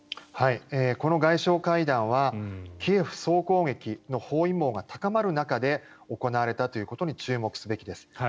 この外相会談はキエフ総攻撃の包囲網が高まる中で行われたということに注目すべきです。